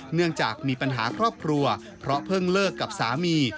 เนื่องจากมีปัญหาครอบครัวเพราะเพิ่งเลิกกับสามี